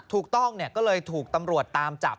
ถูกต้องก็เลยถูกตำรวจตามจับ